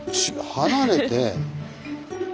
離れて。